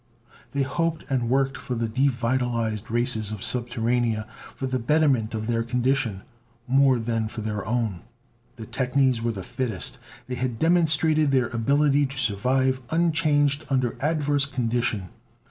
They hoped and worked for the devitalized races of Subterranea, for the betterment of their condition, more than for their own. The technies were the fittest; they had demonstrated their ability to survive unchanged under adverse condition.